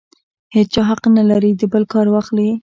هېچا حق نه لري د بل کار واخلي.